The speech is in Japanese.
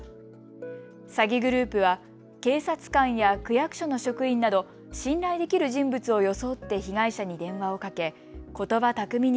詐欺グループは警察官や区役所の職員など信頼できる人物を装って被害者に電話をかけことば巧みに